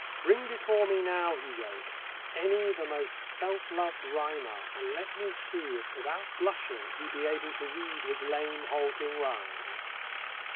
"Bring before me now," he wrote, "any the most self loved rhymer, and let me see if without blushing he be able to read his lame, halting rhymes."